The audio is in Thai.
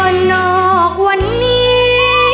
มันออกวันนี้